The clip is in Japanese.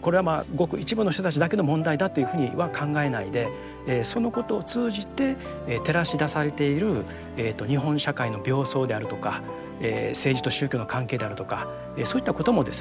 これはごく一部の人たちだけの問題だというふうには考えないでそのことを通じて照らし出されている日本社会の病巣であるとか政治と宗教の関係であるとかそういったこともですね